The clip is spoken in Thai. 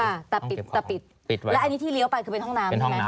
แล้วอันนี้ที่เลี้ยวไปเป็นห้องน้ำ